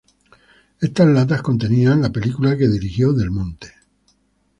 Estas latas contenían la película que dirigió Del Monte.